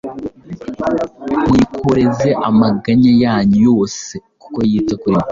"Muyikoreze amaganya yanyu yose, kuko yita kuri mwe"